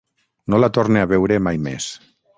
No la torne a veure mai més.